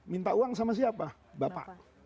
minta uang sama siapa bapak